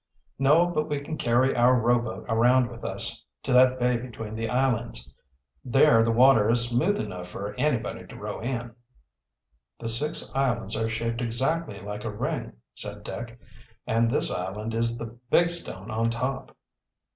"No, but we can carry our rowboat around with us, to that bay between the islands. There the water is smooth enough for anybody to row in." "The six islands are shaped exactly like a ring," said Dick. "And this island is the big stone on top."